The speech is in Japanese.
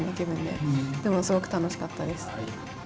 でもすごく楽しかったです。